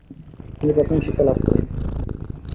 তিনি প্রাথমিক শিক্ষা লাভ করেন।